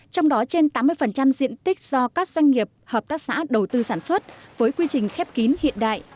trong đó trên tám mươi diện tích do các doanh nghiệp hợp tác xã đầu tư sản xuất với quy trình khép kín hiện đại